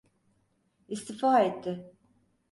İstifa etti.